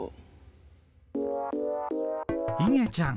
いげちゃん